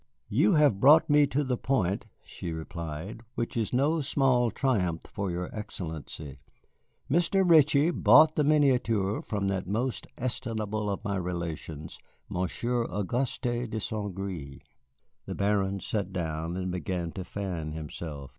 "You have brought me to the point," she replied, "which is no small triumph for your Excellency. Mr. Ritchie bought the miniature from that most estimable of my relations, Monsieur Auguste de St. Gré." The Baron sat down and began to fan himself.